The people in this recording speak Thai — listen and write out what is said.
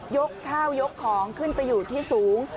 ยกข้าวยกของขึ้นไปอยู่ที่สูง